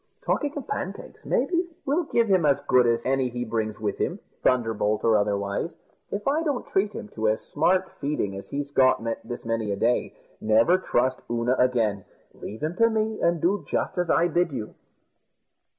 Talking of pancakes, maybe, we'll give him as good as any he brings with him thunderbolt or otherwise. If I don't treat him to as smart feeding as he's got this many a day, never trust Oonagh again. Leave him to me, and do just as I bid you."